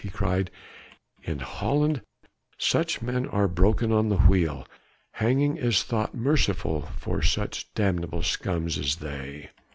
he cried, "in Holland such men are broken on the wheel. Hanging is thought merciful for such damnable scum as they!"